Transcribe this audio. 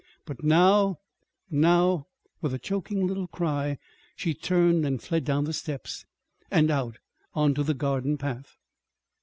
But now now " With a choking little cry she turned and fled down the steps and out on to the garden path.